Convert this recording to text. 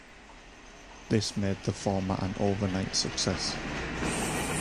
This made the format an overnight success.